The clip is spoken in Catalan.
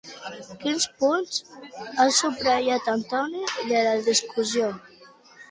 Quins punts ha subratllat Antoni de la discussió?